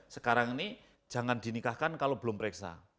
sekarang ini jangan di nikahkan kalau belum periksa